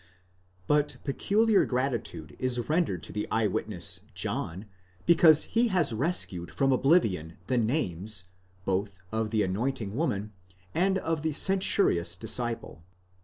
But peculiar gratitude is rendered to the eye witness John, because he has rescued from oblivion the names, both of the anointing woman, and of the censorious disciple.